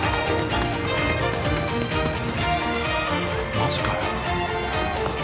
マジかよ。